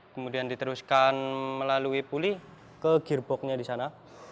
kemudian diteruskan melalui pulih ke gearboxnya di sana